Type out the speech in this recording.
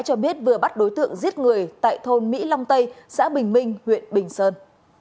cho biết vừa bắt đối tượng giết người tại thôn mỹ long tây xã bình minh huyện bình sơn